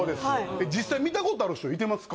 実際見たことある人いてますか？